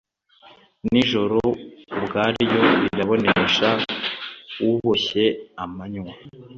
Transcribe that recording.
n'ijoro ubwaryo rirabonesha, uboshye amanywa